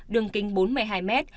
đường kính bốn mươi hai mét